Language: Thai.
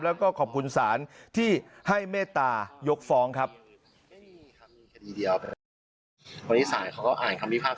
แล้วก็ขอบคุณสารที่ให้เมตายกฟองครับเขาอ่านคำพิภาพ